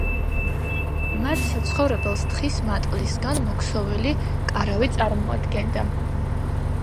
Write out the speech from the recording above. მათ საცხოვრებელს თხის მატყლისგან მოქსოვილი კარავი წარმოადგენდა.